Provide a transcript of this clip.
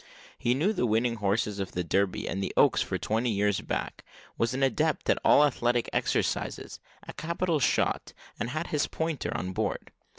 He knew the winning horses of the Derby and the Oaks for twenty years back, was an adept at all athletic exercises, a capital shot, and had his pointer on board.